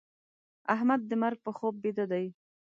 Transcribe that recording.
احمد د مرګ په خوب بيده دی.